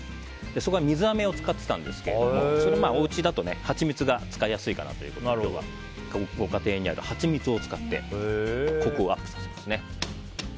そこは水あめを使っていたんですがお家だとハチミツが使いやすいかなということでご家庭にあるハチミツを使ってコクをアップさせますね。